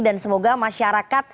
dan semoga masyarakatnya